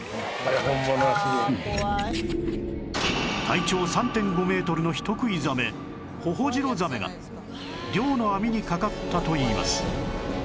体長 ３．５ メートルの人食いザメホホジロザメが漁の網にかかったといいます